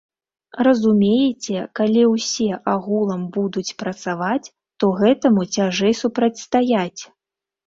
Разумееце, калі ўсе агулам будуць працаваць, то гэтаму цяжэй супрацьстаяць.